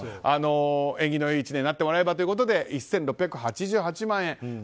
縁起のいい１年になってもらえればということで１６８８万円。